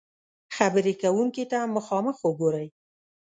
-خبرې کونکي ته مخامخ وګورئ